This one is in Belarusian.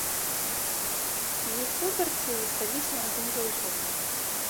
І іх выбарцы засталіся на тым жа ўзроўні.